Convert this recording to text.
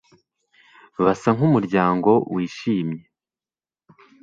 basa nkumuryango wishimye